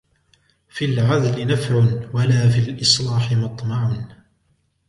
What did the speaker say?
فِي الْعَذْلِ نَفْعٌ وَلَا فِي الْإِصْلَاحِ مَطْمَعٌ